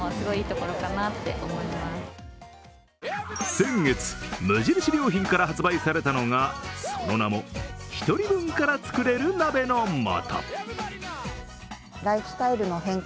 先月、無印良品から発売されたのがその名もひとり分からつくれる鍋の素。